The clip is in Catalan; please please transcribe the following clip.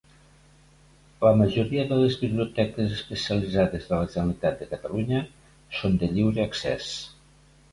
La majoria de les Biblioteques especialitzades de la Generalitat de Catalunya són de lliure accés.